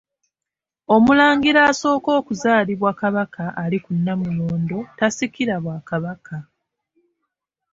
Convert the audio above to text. Omulangira asooka okuzaalibwa Kabaka ali ku Nnamulondo tasikira bwa Kabaka.